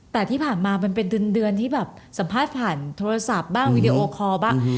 แต่ที่ผ่านมามันเป็นเดือนที่แบบสัมภาษณ์ผ่านโทรศัพท์บ้างวีดีโอคอร์บ้าง